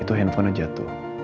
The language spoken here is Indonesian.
itu handphonenya jatuh